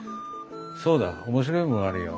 そうだ面白いものがあるよ。